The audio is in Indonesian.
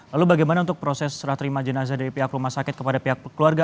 lalu bagaimana untuk proses serah terima jenazah dari pihak rumah sakit kepada pihak keluarga